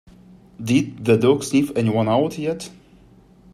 Did the dog sniff anyone out yet?